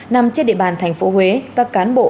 nằm trên địa bàn tp huế các cán bộ